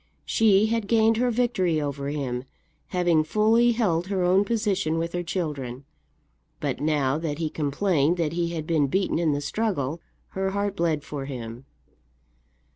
She had gained her victory over him, having fully held her own position with her children; but now that he complained that he had been beaten in the struggle, her heart bled for him.